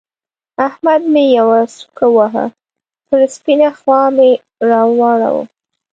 احمد مې يوه سوک وواهه؛ پر سپينه خوا مې را واړاوو.